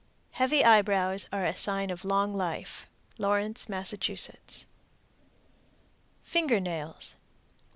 Heavy eyebrows are a sign of long life. Lawrence, Mass. FINGER NAILS. 115.